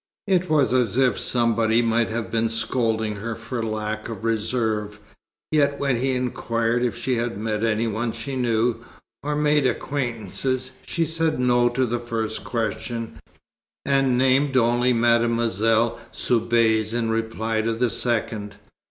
It was as if somebody might have been scolding her for a lack of reserve; yet when he inquired if she had met any one she knew, or made acquaintances, she said no to the first question, and named only Mademoiselle Soubise in reply to the second.